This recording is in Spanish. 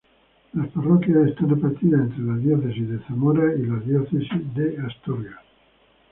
Las parroquias están repartidas entre la diócesis de Zamora y la diócesis de Astorga.